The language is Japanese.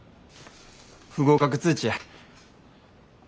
不合格通知や。